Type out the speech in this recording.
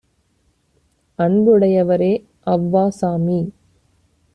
"அன்புடை யவரே அவ் வாசாமி